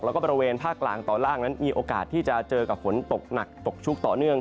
แล้วก็บริเวณภาคกลางตอนล่างนั้นมีโอกาสที่จะเจอกับฝนตกหนักตกชุกต่อเนื่อง